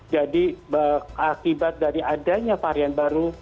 jadi akibat dari adanya varian baru